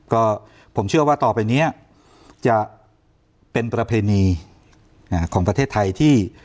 ก็ผมเชื่อว่าต่อไปนี้จะเป็นประเพณีของประเทศไทยที่